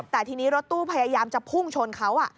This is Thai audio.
แต่ทีนี้รถตู้พยายามจะพุ่งชนเขา